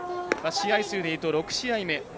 試合数でいうと６試合目。